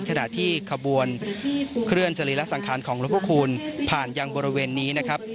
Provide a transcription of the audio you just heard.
ขณะที่ขบวนเคลื่อนสรีระสังขารของหลวงพระคูณผ่านยังบริเวณนี้นะครับ